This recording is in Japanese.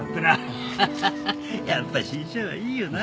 アハハハやっぱ志ん生はいいよな。